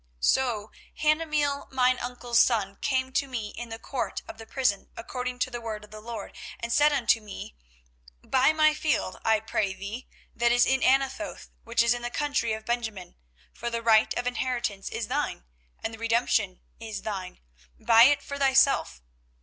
24:032:008 So Hanameel mine uncle's son came to me in the court of the prison according to the word of the LORD, and said unto me, Buy my field, I pray thee, that is in Anathoth, which is in the country of Benjamin: for the right of inheritance is thine, and the redemption is thine; buy it for thyself.